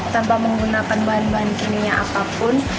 tanpa menggunakan bahan bahan kimia apapun